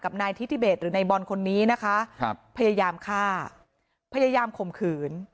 กับนายทิศิเบศหรือในบอลคนนี้นะคะพยายามฆ่าพยายามข่มขืน